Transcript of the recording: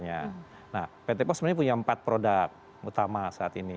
nah pt pos sebenarnya punya empat produk utama saat ini